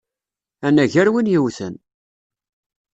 Anagar win yewten!